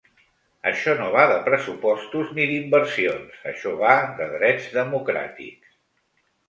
Això no va de pressupostos ni d’inversions, això va de drets democràtics.